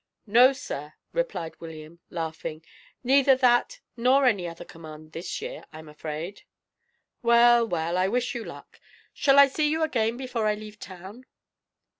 "No, sir," replied William, laughing, "neither that nor any other command this year, I am afraid." "Well, well, I wish you luck. Shall I see you again before I leave town?"